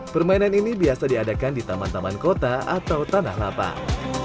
permainan ini biasa diadakan di taman taman kota atau tanah lapang